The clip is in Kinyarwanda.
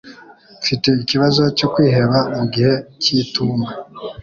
Mfite ikibazo cyo kwiheba mugihe cy'itumba